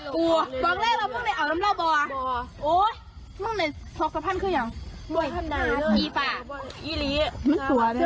คาดแต่เดี๋ยวนะ